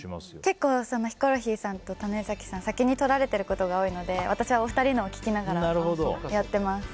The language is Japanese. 結構、ヒコロヒーさんと種崎さんは先にとられてることが多いので私はお二人のを聞きながらやってます。